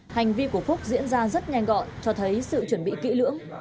hành vi của phúc diễn ra rất nhanh gọn cho thấy sự chuẩn bị kỹ lưỡng